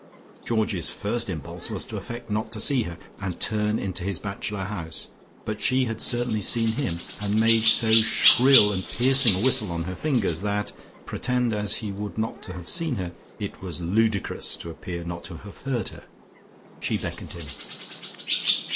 Georgie's first impulse was to affect not to see her, and turn into his bachelor house, but she had certainly seen him, and made so shrill and piercing a whistle on her fingers that, pretend as he would not to have seen her, it was ludicrous to appear not to have heard her. She beckoned to him.